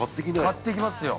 ◆買ってきますよ。